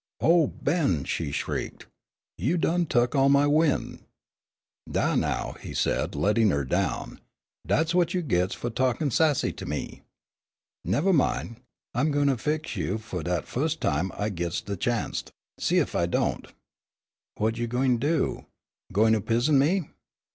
"Oh, Ben," she shrieked, "you done tuk all my win'!" "Dah, now," he said, letting her down; "dat's what you gits fu' talkin' sassy to me!" "Nev' min'; I'm goin' to fix you fu' dat fus' time I gits de chanst see ef I don't." "Whut you gwine do? Gwine to pizen me?"